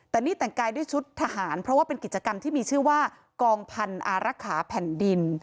แต่นี่แต่งกายด้วยชุดทหารเพราะว่าเป็นกิจกรรมที่มีชื่อว่ากองพันธุ์อารักษาแผ่นดิน